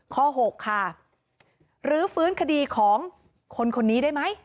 หกค่ะรื้อฟื้นคดีของคนคนนี้ได้ไหม